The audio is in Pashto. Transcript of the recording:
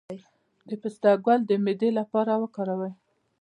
د پسته ګل د معدې لپاره وکاروئ